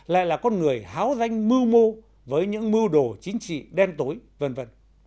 lại là con người háo danh mưu mô với những mưu đồ chính trị đen tối v v